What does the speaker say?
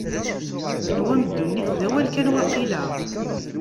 Tenwam ddunit d awal kan, waqila?